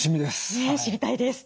ね知りたいです。